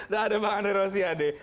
nah ada bang henry rosi adik